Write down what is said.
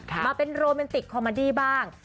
มาเป็นโรแมนติกคอมมาดี้บ้าง